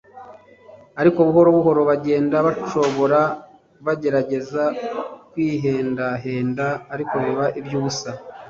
ariko buhoro buhoro bagenda bacogora, bagerageza kwihendahenda ariko biba iby'ubusa,